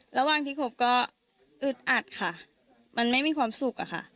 ระหว่างที่คบก็อึดอัดค่ะมันไม่มีความสุขอะค่ะ